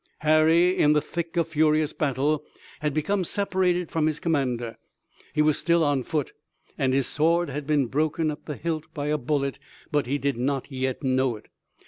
Harry, in the thick of furious battle, had become separated from his commander. He was still on foot and his sword had been broken at the hilt by a bullet, but he did not yet know it.